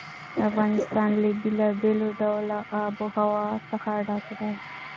افغانستان له بېلابېلو ډوله آب وهوا څخه ډک دی.